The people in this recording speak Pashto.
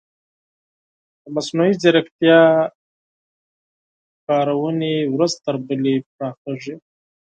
د مصنوعي ځیرکتیا کارونې ورځ تر بلې پراخیږي.